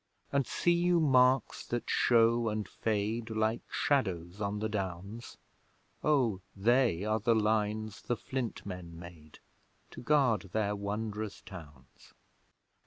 And see you marks that show and fade, Like shadows on the Downs? O they are the lines the Flint Men made, To guard their wondrous towns!